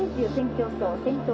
競争先頭